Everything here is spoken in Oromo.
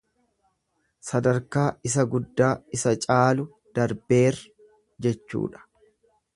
Sadarkaa isa guddaa isa caalu darbeer jechuudha.